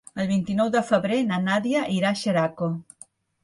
El vint-i-nou de febrer na Nàdia irà a Xeraco.